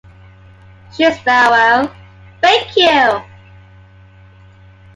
She is very well, thank you.